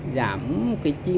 giảm cái chi phí